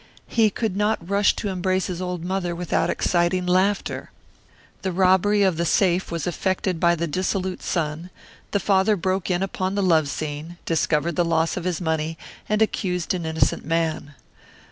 He could not rush to embrace his old mother without exciting laughter. The robbery of the safe was effected by the dissolute son, the father broke in upon the love scene, discovered the loss of his money, and accused an innocent man.